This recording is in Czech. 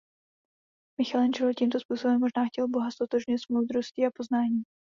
Michelangelo tímto způsobem možná chtěl Boha ztotožnit s moudrostí a poznáním.